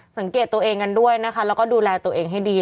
สังเกตตัวเองกันด้วยนะคะแล้วก็ดูแลตัวเองให้ดี